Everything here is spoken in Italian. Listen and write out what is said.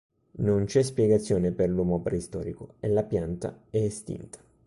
Non c'è spiegazione per l'uomo preistorico e la pianta è estinta.